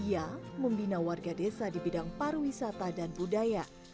ia membina warga desa di bidang pariwisata dan budaya